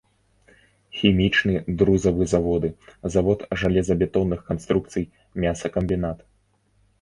Хімічны, друзавы заводы, завод жалезабетонных канструкцыя, мясакамбінат.